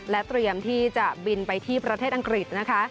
เตรียมที่จะบินไปที่ประเทศอังกฤษนะคะ